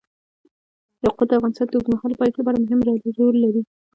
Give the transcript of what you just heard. یاقوت د افغانستان د اوږدمهاله پایښت لپاره مهم رول لري.